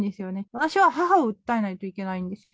私は母を訴えないといけないんですよ。